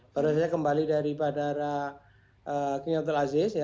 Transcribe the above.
baru saja kembali dari bandara king abdul aziz